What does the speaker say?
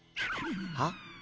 はっ？